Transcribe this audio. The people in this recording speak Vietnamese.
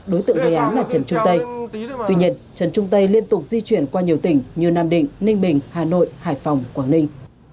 đối tượng gây án là trần trung tây tuy nhiên trần trung tây liên tục di chuyển qua nhiều tỉnh như nam định ninh bình hà nội hải phòng quảng ninh